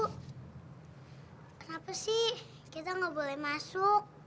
kenapa sih kita nggak boleh masuk